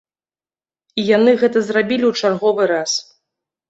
І яны гэта зрабілі ў чарговы раз.